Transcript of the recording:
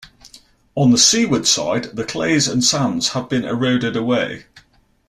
On the seaward side the clays and sands have been eroded away.